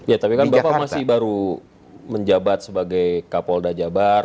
ya tapi kan bapak masih baru menjabat sebagai kapolda jabar